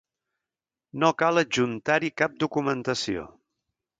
No cal adjuntar-hi cap documentació.